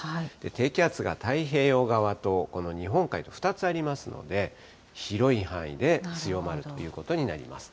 低気圧が太平洋側と、この日本海、２つありますので、広い範囲で強まるということになります。